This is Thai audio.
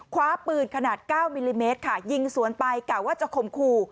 คว้าปืนขนาด๙มิลลิเมตรค่ะยิงสวนไปกะว่าจะข่มขู่